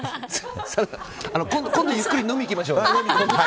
今度ゆっくり飲みに行きましょう。